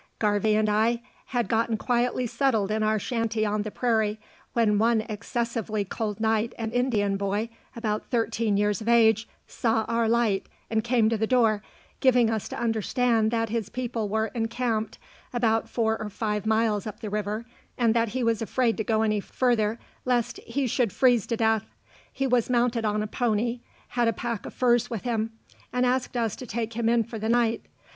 Garvie and I had gotten quietly settled in our shanty on the prairie, when one excessively cold night an Indian boy, about thirteen years of age, saw our light, and came to the door, giving us to understand that his people were encamped about four or five miles up the river, and that he was afraid to go any further lest he should freeze to death. He was mounted on a pony, had a pack of furs with him, and asked us to take him in for the night.